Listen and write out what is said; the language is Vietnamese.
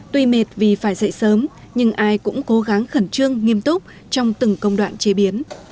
tuy mệt vì phải dậy sớm nhưng ai cũng cố gắng khẩn trương nghiêm túc trong từng công đoạn chế biến